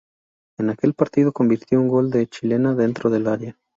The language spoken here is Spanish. En aquel partido convirtió un gol de chilena dentro del área.